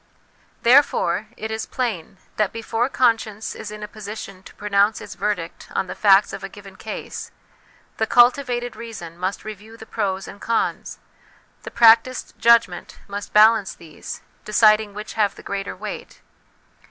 Therefore, it is plain that before conscience is in a position to pronounce its verdict on the facts of a given case, the cultivated reason must review the pros and cons ; the practised judgment must balance these, deciding which have the greater weight.